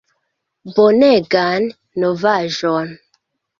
Bonegan novaĵon!"